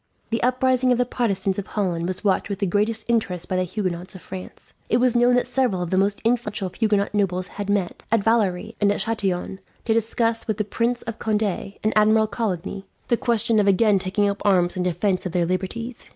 The uprising of the Protestants of Holland was watched with the greatest interest by the Huguenots of France. It was known that several of the most influential Huguenot nobles had met, at Valery and at Chatillon, to discuss with the Prince of Conde and Admiral Coligny the question of again taking up arms in defence of their liberties.